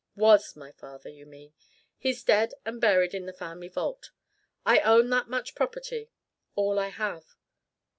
"Was my father, you mean. He's dead and buried in the family vault. I own that much property all I have."